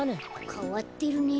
かわってるね。